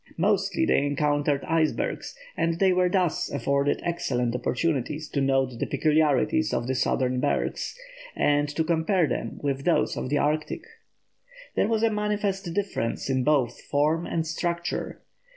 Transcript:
Mostly they encountered icebergs, and they were thus afforded excellent opportunities to note the peculiarities of the southern bergs, and to compare them with those of the Arctic. There was a manifest difference in both form and structure.